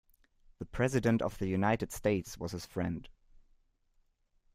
The President of the United States was his friend.